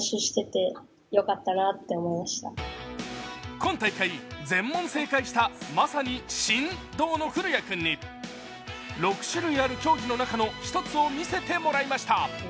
今大会、全問正解したまさに神童の降矢君に６種類ある競技の中の１つを見せてもらいました。